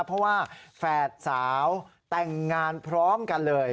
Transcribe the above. เพราะว่าแฝดสาวแต่งงานพร้อมกันเลย